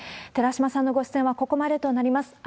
寺嶋さんのご出演はここまでとなります。